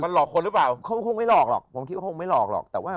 หลอกคนหรือเปล่าเขาคงไม่หลอกหรอกผมคิดว่าคงไม่หลอกหรอกแต่ว่า